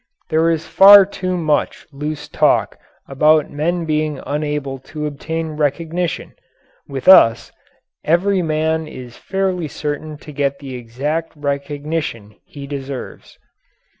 There is far too much loose talk about men being unable to obtain recognition. With us every man is fairly certain to get the exact recognition he deserves.